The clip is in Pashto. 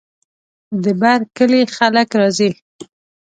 د بر کلي خلک راځي.